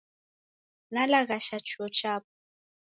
Nalaghasha chuo chapo